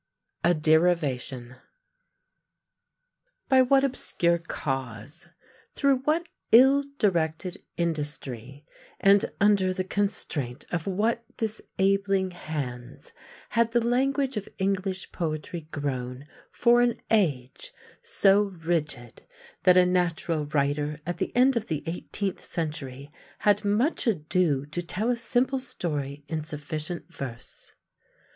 A DERIVATION By what obscure cause, through what ill directed industry, and under the constraint of what disabling hands, had the language of English poetry grown, for an age, so rigid that a natural writer at the end of the eighteenth century had much ado to tell a simple story in sufficient verse?